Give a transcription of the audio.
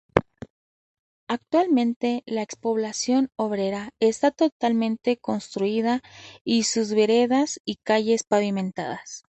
Actualmente la ex-población obrera, está totalmente construida y sus veredas y calles pavimentadas.